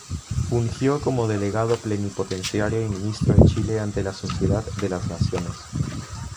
Fungió como delegado plenipotenciario y ministro de Chile ante la Sociedad de las Naciones.